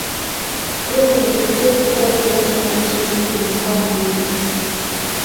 ruvu ni kivutio kikubwa kinachounganisha zaidi ya mikoa miwili